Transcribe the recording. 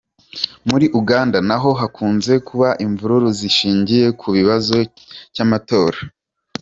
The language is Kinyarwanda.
Muri Uganda naho hakunze kuba imvururu zishingiye ku kibazo cy’amatora.